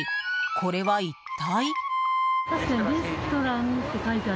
これは一体？